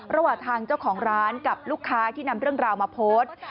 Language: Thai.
ระหว่างทางเจ้าของร้านกับลูกค้าที่นำเรื่องราวมาโพสต์